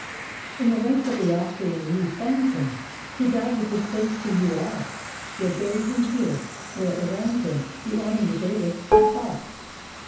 ] In the ranks of the Austrian you found him. He died with his face to you all; Yet bury him here where around him You honor your bravest that fall.